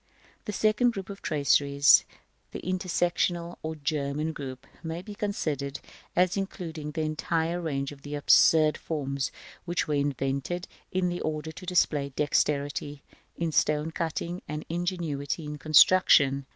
§ XV. The second group of traceries, the intersectional or German group, may be considered as including the entire range of the absurd forms which were invented in order to display dexterity in stone cutting and ingenuity in construction.